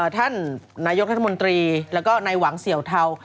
ท่านนายกรัฐมนตรีแล้วก็นายหวังเสี่ยวเทา